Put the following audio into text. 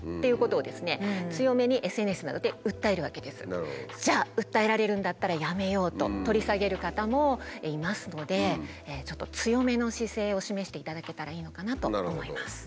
「こちらは」じゃあ訴えられるんだったらやめようと取り下げる方もいますのでちょっと強めの姿勢を示していただけたらいいのかなと思います。